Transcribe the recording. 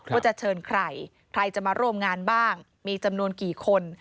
ว่าจะเชิญใครใครจะมาร่วมงานบ้างมีจำนวนกี่คน